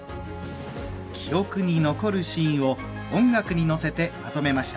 記憶に残るシーンを音楽に乗せて、まとめました。